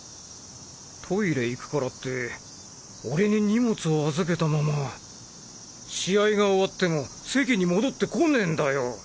トイレ行くからって俺に荷物を預けたまま試合が終わっても席に戻って来ねぇんだよ。